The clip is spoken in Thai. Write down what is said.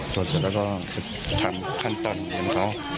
ตรวจเสร็จแล้วก็ทำขั้นตอนของเขา